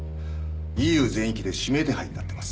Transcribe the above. ＥＵ全域で指名手配になってます。